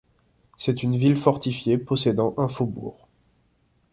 C'est une ville fortifiée possédant un faubourg.